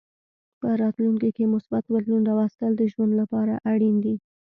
په راتلونکې کې مثبت بدلون راوستل د ژوند لپاره اړین دي.